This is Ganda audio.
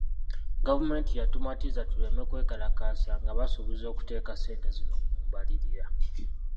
Gavumenti yatumatiza tuleme kwekalakaasa nga basuubizza okuteeka ssente zino mu mbalirira.